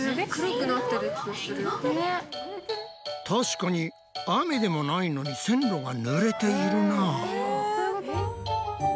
確かに雨でもないのに線路がぬれているな。